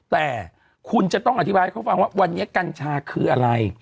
แต่คุณจะต้องอธิบายให้เขาฟังว่าวันนี้กัญชาคืออะไร